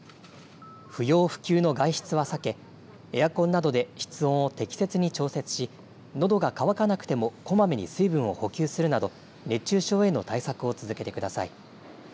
不要不急の外出は避けエアコンなどで室温を適切に調節しのどが乾かなくてもこまめに水分を補給するなど熱中症への対策を続けてください。